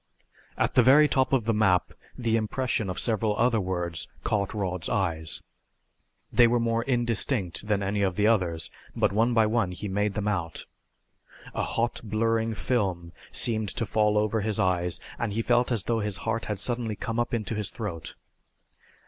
At the very top of the map the impression of several other words caught Rod's eyes. They were more indistinct than any of the others, but one by one he made them out. A hot blurring film seemed to fall over his eyes and he felt as though his heart had suddenly come up into his throat.